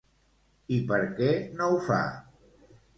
I per què no ho fa?